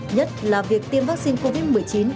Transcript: nhất là việc tiêm vaccine covid một mươi chín